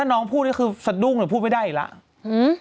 น้องพูดนี่คือสะดุ้งหรือพูดไม่ได้อีกแล้ว